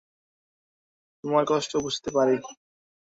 তোমার কষ্ট বুঝতে পারি।